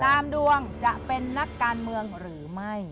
ดวงจะเป็นนักการเมืองหรือไม่